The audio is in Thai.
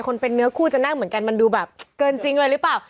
เป็นเนื้อคู่จะนั่งเหมือนกันมันดูแบบเกินจริงอะไรหรือเปล่า